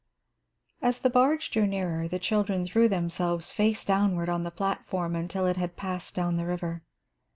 As the barge drew nearer, the children threw themselves face downward on the platform until it had passed down the river.